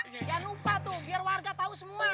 jangan lupa tuh biar warga tahu semua